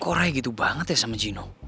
kok re gitu banget ya sama jino